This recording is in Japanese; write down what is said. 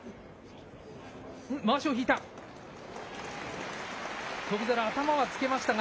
まわしを引いた。